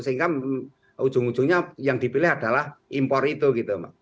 sehingga ujung ujungnya yang dipilih adalah impor itu gitu